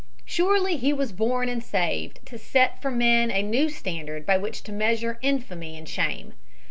Surely he was born and saved to set for men a new standard by which to measure infamy and shame.